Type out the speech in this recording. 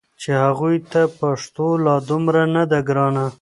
چې هغوی ته پښتو لا دومره نه ده ګرانه